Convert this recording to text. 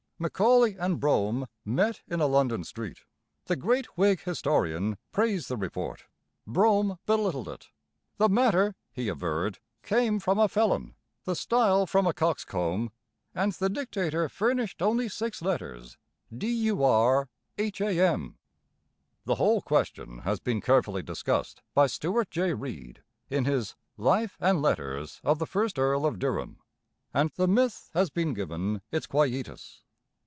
Macaulay and Brougham met in a London street. The great Whig historian praised the Report. Brougham belittled it. 'The matter,' he averred, 'came from a felon, the style from a coxcomb, and the Dictator furnished only six letters, D u r h a m.' The whole question has been carefully discussed by Stuart J. Reid in his Life and Letters of the First Earl of Durham, and the myth has been given its quietus.